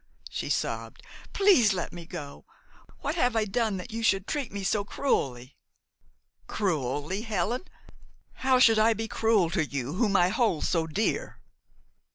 she sobbed. "Please let me go! What have I done that you should treat me so cruelly." "Cruelly, Helen? How should I be cruel to you whom I hold so dear?"